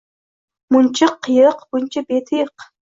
Muncha qiyiq, muncha betiyiq